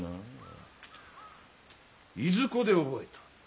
いずこで覚えた？